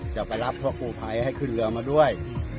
จะไปรับพวกกูภัยให้ขึ้นเรือมาด้วย